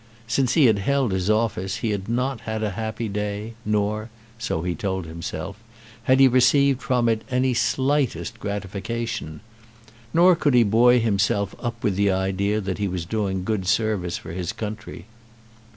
Since he had held his office he had not had a happy day, nor, so he told himself, had he received from it any slightest gratification, nor could he buoy himself up with the idea that he was doing good service for his country.